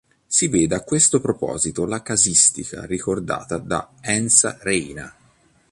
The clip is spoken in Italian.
Si veda a questo proposito la casistica ricordata da Enza Reina.